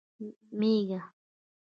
🐑 مېږه